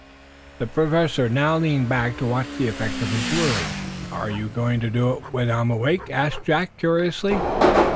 The Professor now leaned back to watch the effect of his words. "Are you going to do it when I'm awake?" asked Jack, curiously.